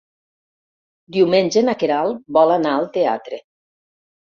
Diumenge na Queralt vol anar al teatre.